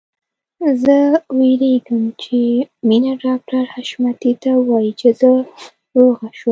زه وېرېږم چې مينه ډاکټر حشمتي ته ووايي چې زه روغه شوم